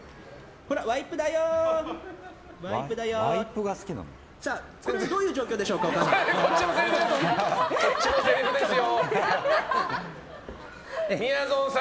これ、どういう状況でしょうかお母さん。